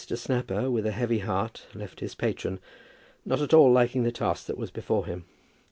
Snapper, with a heavy heart, left his patron, not at all liking the task that was before him.